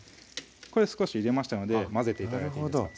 これ少し入れましたので混ぜて頂いていいですか？